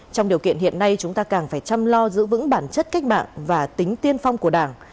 trong điều kiện hiện nay chúng ta càng phải chăm lo giữ vững bản chất cách mạng và tính tiên phong của đảng